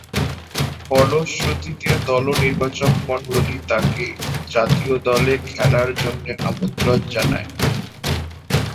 ফলশ্রুতিতে, দল নির্বাচকমণ্ডলী তাকে জাতীয় দলে খেলার জন্যে আমন্ত্রণ জানায়।